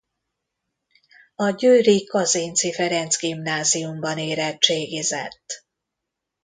A győri Kazinczy Ferenc Gimnáziumban érettségizett.